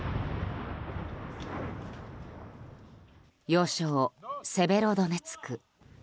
要衝セベロドネツク。